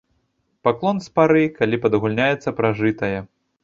Паклон з пары, калі падагульняецца пражытае.